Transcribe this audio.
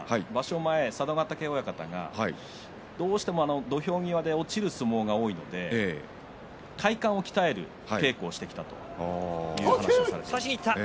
前、佐渡ヶ嶽親方がどうしても土俵際で落ちる相撲が多いので体幹を鍛える稽古をしてきたという話をされていました。